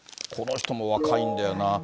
この人も若いんだよな。